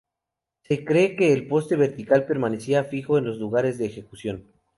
Se cree que el poste vertical permanecía fijo en los lugares de ejecución.